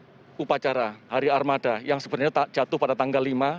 kita memasukan upacara hari armada yang sebenarnya jatuh pada tanggal lima